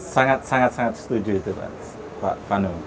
sangat sangat setuju itu pak pandu